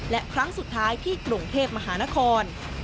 และครั้งสุดท้ายที่กรุงเทพมหานคร